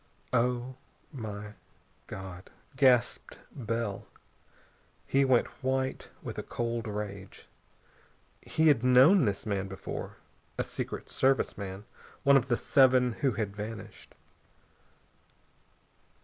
"Oh, my God!" gasped Bell. He went white with a cold rage. He'd known this man before. A Secret Service man one of the seven who had vanished.